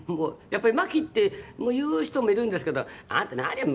「やっぱり“麻紀”って言う人もいるんですけど“あなた何よ？